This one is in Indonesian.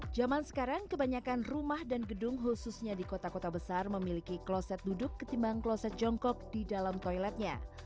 zaman sekarang kebanyakan rumah dan gedung khususnya di kota kota besar memiliki kloset duduk ketimbang kloset jongkok di dalam toiletnya